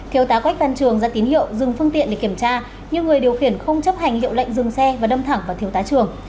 thiếu tá quách văn trường ra tín hiệu dừng phương tiện để kiểm tra nhưng người điều khiển không chấp hành hiệu lệnh dừng xe và đâm thẳng vào thiếu tá trường